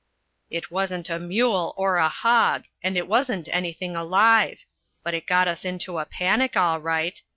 "It wasn't a mule or a hog, and it wasn't anything alive, but it got us into a panic, all right.